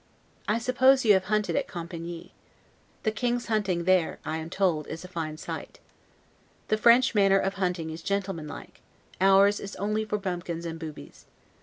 I suppose you have hunted at Compiegne. The King's hunting there, I am told, is a fine sight. The French manner of hunting is gentlemanlike; ours is only for bumpkins and boobies.